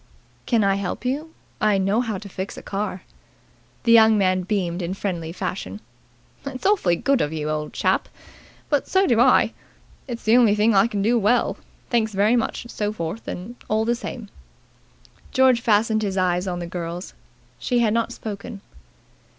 "Can I help you? I know how to fix a car." The young man beamed in friendly fashion. "It's awfully good of you, old chap, but so do I. It's the only thing I can do well. Thanks very much and so forth all the same." George fastened his eyes on the girl's. She had not spoken.